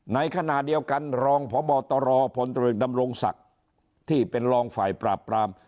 ในขณะเดียวกันรองพบตรพลตรวจดำรงศักดิ์ที่เป็นรองฝ่ายปราบปราม